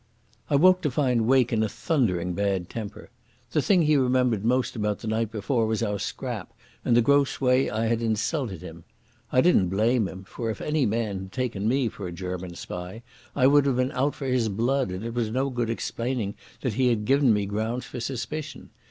I woke to find Wake in a thundering bad temper. The thing he remembered most about the night before was our scrap and the gross way I had insulted him. I didn't blame him, for if any man had taken me for a German spy I would have been out for his blood, and it was no good explaining that he had given me grounds for suspicion.